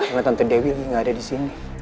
nabi nanti dewi gak ada disini